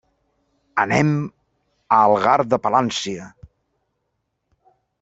Anem a Algar de Palància.